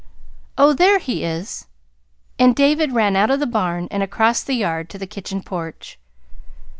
Oh, there he is!" And David ran out of the barn and across the yard to the kitchen porch.